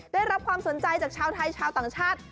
ได้รับความสนใจจากชาวไทยชาวต่างชาติ